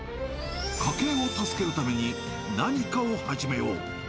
家計を助けるために、何かを始めよう。